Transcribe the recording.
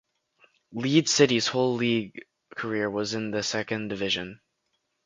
Leeds City's whole league career was in the Second Division.